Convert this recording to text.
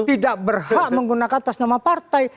tidak berhak menggunakan tas nama partai